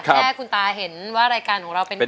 แค่คุณตาเห็นว่ารายการของเราเป็นไง